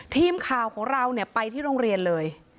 ทีมข่าวของเราไปที่โรงเรียนเลย